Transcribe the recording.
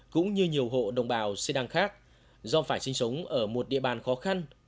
cũng như nhiều hộ đồng bào xê đăng khác do phải sinh sống ở một địa bàn khó khăn